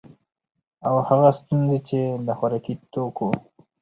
او هغه ستونزي چي د خوراکي توکو